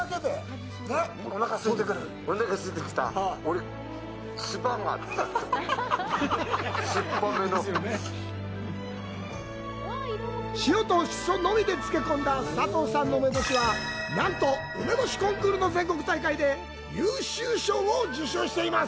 俺塩と紫蘇のみで漬け込んだ佐藤さんの梅干しは、なんと梅干しコンクールの全国大会で優秀賞を受賞しています。